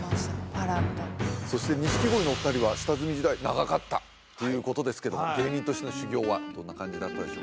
花郎とそして錦鯉のお二人は下積み時代長かったということですけど芸人としての修行はどんな感じだったんでしょう？